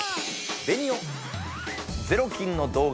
ベニオ。